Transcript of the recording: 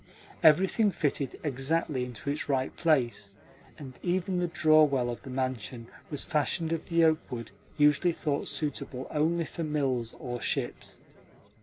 Everything fitted exactly into its right place, and even the draw well of the mansion was fashioned of the oakwood usually thought suitable only for mills or ships.